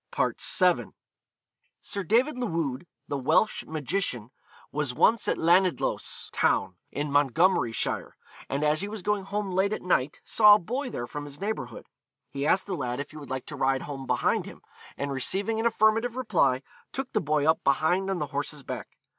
VII. Sir David Llwyd, the Welsh magician, was once at Lanidloes town, in Montgomeryshire, and as he was going home late at night, saw a boy there from his neighbourhood. He asked the lad if he would like to ride home behind him, and receiving an affirmative reply, took the boy up behind on the horse's back.